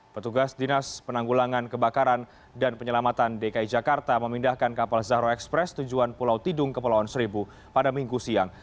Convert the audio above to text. petugas dinas penanggulangan kebakaran dan penyelamatan dki jakarta memindahkan kapal zahro express tujuan pulau tidung kepulauan seribu pada minggu siang